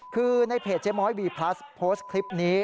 คือในเพจเจ๊ม้อยวีพลัสโพสต์คลิปนี้